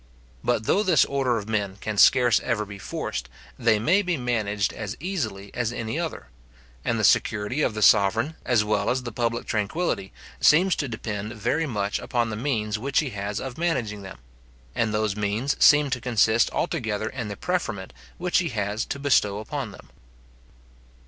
But though this order of men can scarce ever be forced, they may be managed as easily as any other; and the security of the sovereign, as well as the public tranquillity, seems to depend very much upon the means which he has of managing them; and those means seem to consist altogether in the preferment which he has to bestow upon them.